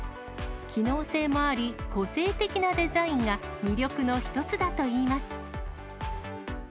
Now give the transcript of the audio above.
機能性もあり、個性的なデザインが魅力の一つだといいます。